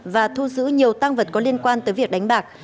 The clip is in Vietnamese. và thu giữ nhiều tăng vật có liên quan tới việc đánh bạc